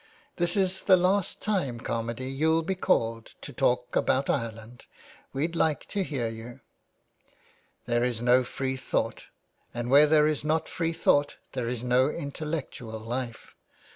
*' This is the last time, Carmady, you'll be called to talk about Ireland. We'd like to hear you." " There is no free thought, and where there is not free thought there is no intellectual life.